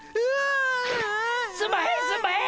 すんまへんすんまへん！